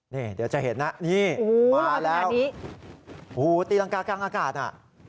นี่เดี๋ยวจะเห็นนะนี่มาแล้วโอ้โหตีรังกากลางอากาศอ่ะ